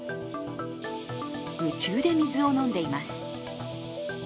夢中で水を飲んでいます。